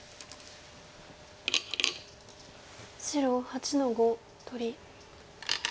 白８の五取り。